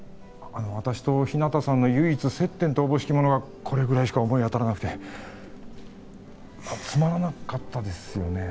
私と日向さんの唯一接点とおぼしきものがこれぐらいしか思い当たらなくてつまらなかったですよね